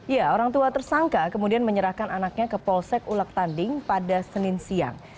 ya orang tua tersangka kemudian menyerahkan anaknya ke polsek ulak tanding pada senin siang